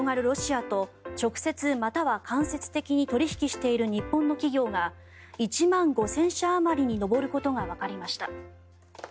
ロシアと直接または間接的に取引している日本の企業が１万５０００社あまりに上ることがわかりました。